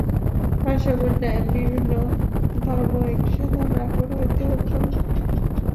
ভাষাসমূহের ন্যায় বিভিন্ন ধর্মও একটি সাধারণ আকর হইতে উৎপন্ন।